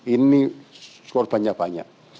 ini korbannya banyak